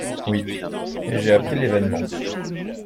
Oui… et j’ai appris l’événement.